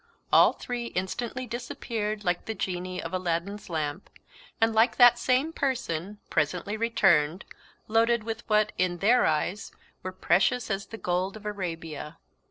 All three instantly disappeared like the genii of Aladin's lamp, and, like that same person, presently returned, loaded with what, in their eyes, were precious as the gold of Arabia.